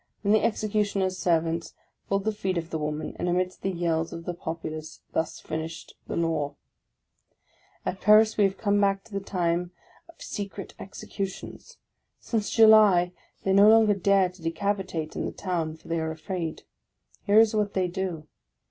Then the Executioner's servants pulled the feet of the woman ; and, amidst the yells of the populace, thus finished the law ! At Paris, we have come back to the time of secret execu tions ; since July they no longer dare to decapitate in the town, for they are afraid. Here is what they do.